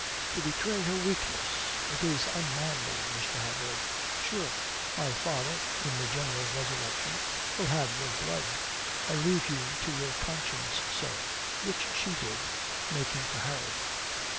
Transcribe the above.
To betray her weakness! It is unmanly, Mr. Hadley. Sure, my father (in the general resurrection) will have your blood. I leave you to your conscience, sir," which she did, making for Harry.